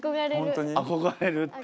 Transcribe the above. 憧れるって。